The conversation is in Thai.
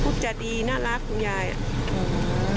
พูดจาน่ารักคุณลุงก็ใจดี